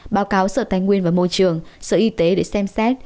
báo cáo sở tài nguyên và môi trường sở y tế để xem xét